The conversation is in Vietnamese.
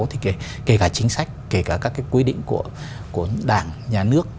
thì kể cả chính sách kể cả các cái quy định của đảng nhà nước